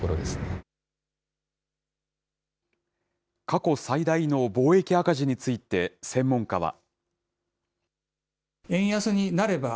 過去最大の貿易赤字について専門家は。